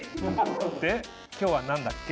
で今日は何だっけ？